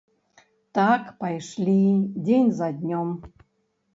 Так пайшлі дзень за днём.